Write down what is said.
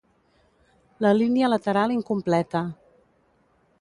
La línia lateral incompleta.